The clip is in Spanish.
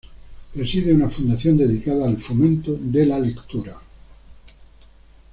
Preside una fundación dedicada al fomento de la lectura.